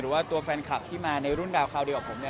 หรือว่าตัวแฟนคลับที่มาในรุ่นดาวคาวเดียวของผมเนี่ย